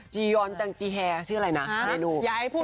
จิยอนนี่เขาก็ชอบ